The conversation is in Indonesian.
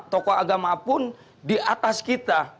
tokoh agama pun di atas kita